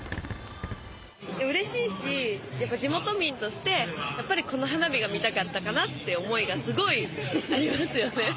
うれしいし、やっぱ地元民として、やっぱりこの花火が見たかったかなっていう思いがすごいありますよね。